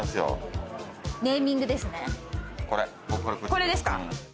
これですか？